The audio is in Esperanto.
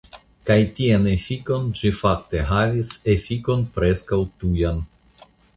Kaj tian efikon ĝi fakte havis, efikon preskaŭ tujan.